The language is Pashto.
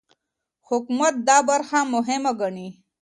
حکومت دا برخه مهمه ګڼي.